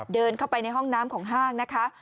เดินเข้าไปในห้องน้ำของห้างนะคะ